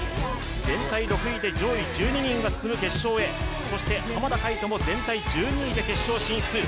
全体６位で上位１２人が進む決勝へ、そして浜田海人も全体１２位で決勝進出。